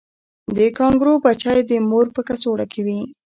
د کانګارو بچی د مور په کڅوړه کې وي